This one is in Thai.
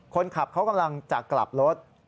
คนขับเขากำลังจะกลับรถ